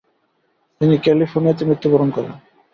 তিনি ক্যালিফোর্নিয়াতে মৃত্যু বরণ করেন।